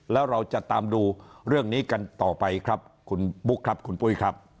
แล้วเราจะตามดูเรื่องนี้กันต่อไปครับคุณบุ๊คครับคุณปุ้ยครับ